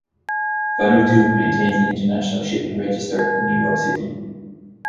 Vanuatu maintains an international shipping register in New York City.